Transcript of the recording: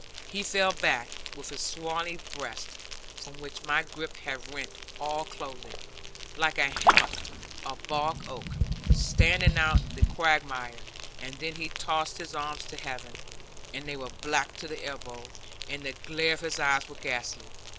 He fell back, with his swarthy breast (from which my gripe had rent all clothing), like a hummock of bog oak, standing out the quagmire; and then he tossed his arms to heaven, and they were black to the elbow, and the glare of his eyes was ghastly.